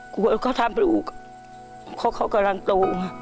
กลัวเขาทำเป็นลูกเขากำลังโต